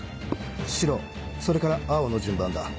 白それから青の順番だ。